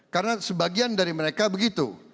karena sebagian dari mereka begitu